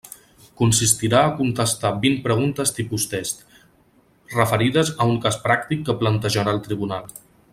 Consistirà a contestar vint preguntes tipus test, referides a un cas pràctic que plantejarà el Tribunal.